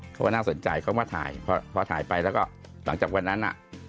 เขาก็น่าสนใจเขามาถ่ายพอถ่ายไปแล้วก็หลังจากวันนั้น